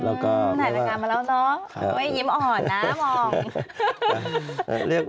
ถ่ายหนังงามมาแล้วเนอะยิ้มอ่อนนะมอง